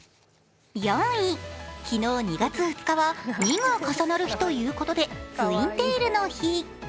昨日、２月２日は２が重なる日ということでツインテールの日。